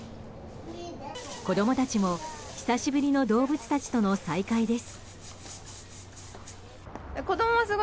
子供たちも久しぶりの動物たちとの再会です。